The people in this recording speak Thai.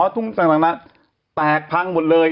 ตรงนะแตกพังหมดเลย